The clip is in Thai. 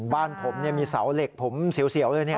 บ้านผมมีเสาเหล็กผมเสี่ยวเลยนี่ค่ะ